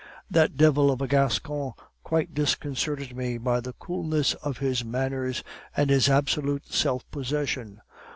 That devil of a Gascon quite disconcerted me by the coolness of his manners and his absolute self possession.